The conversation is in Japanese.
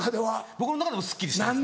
僕の中でもすっきりしてます。